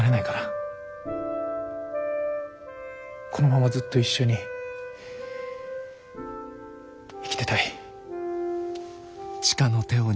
このままずっと一緒に生きてたい。